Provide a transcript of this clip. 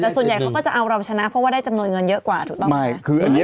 แต่ส่วนใหญ่เขาก็จะเอาเราชนะเพราะว่าได้จำนวนเงินเยอะกว่าถูกต้องไหม